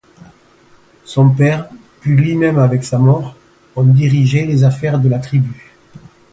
Son père, puis lui-même avec sa mort, ont dirigé les affaires de la tribu.